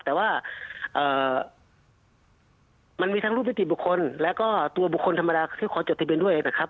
แต่ว่ามันมีทั้งรูปนิติบุคคลแล้วก็ตัวบุคคลธรรมดาที่ขอจดทะเบียนด้วยนะครับ